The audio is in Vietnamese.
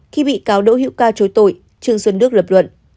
khi bị cáo đỗ hữu ca chối tội trương xuân đức lập luận